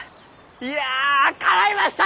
いやかないました！